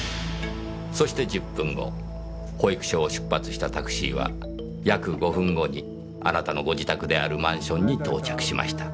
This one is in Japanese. そして１０分後保育所を出発したタクシーは約５分後にあなたのご自宅であるマンションに到着しました。